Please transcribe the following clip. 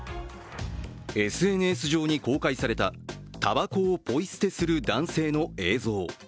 ＳＮＳ上に公開されたたばこをポイ捨てする男性の映像。